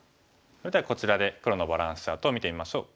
それではこちらで黒のバランスチャートを見てみましょう。